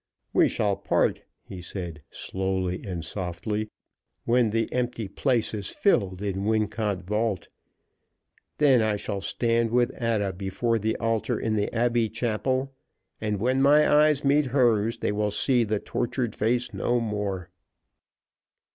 "We shall part," he said, slowly and softly, "when the empty place is filled in Wincot vault. Then I shall stand with Ada before the altar in the Abbey chapel, and when my eyes meet hers they will see the tortured face no more."